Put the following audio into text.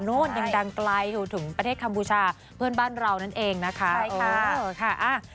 นู้นยังดังไกลถึงประเทศคัมพูชาเพื่อนบ้านเรานั่นเองนะคะ